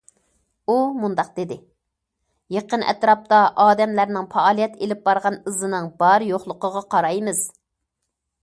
ئۇ مۇنداق دېدى: يېقىن ئەتراپتا ئادەملەرنىڭ پائالىيەت ئېلىپ بارغان ئىزىنىڭ بار- يوقلۇقىغا قارايمىز.